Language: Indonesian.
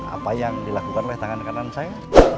apa yang dilakukan oleh tangan kanan saya